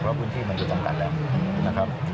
เพราะพื้นที่มันจะจำกัดแล้วนะครับ